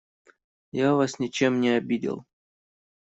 Я вас ничем не обидел.